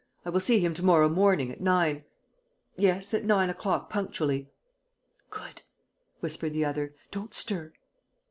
... I will see him to morrow morning, at nine ... yes, at nine o'clock punctually." "Good!" whispered the other. "Don't stir."